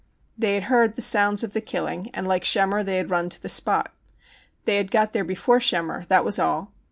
They had heard the sounds of the killing, and, like Schemmer, they had run to the spot. They had got there before Schemmer ã that was all.